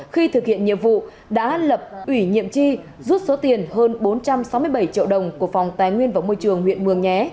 khi thực hiện nhiệm vụ đã lập ủy nhiệm chi rút số tiền hơn bốn trăm sáu mươi bảy triệu đồng của phòng tài nguyên và môi trường huyện mường nhé